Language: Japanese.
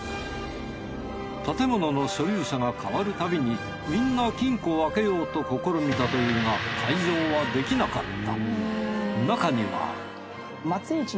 建物の所有者が変わるたびにみんな金庫を開けようと試みたというが開錠はできなかった。